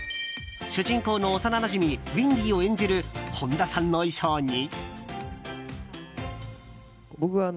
主人公の幼なじみウィンリィを演じる本田さんの衣装に。